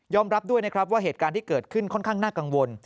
รับด้วยนะครับว่าเหตุการณ์ที่เกิดขึ้นค่อนข้างน่ากังวล